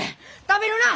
食べるな！